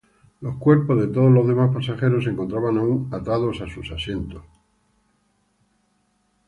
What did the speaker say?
Los cuerpos de todos los demás pasajeros se encontraban aún atados en sus asientos.